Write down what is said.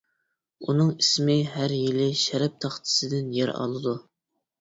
ئۇنىڭ ئىسمى ھەر يىلى شەرەپ تاختىسىدىن يەر ئالىدۇ.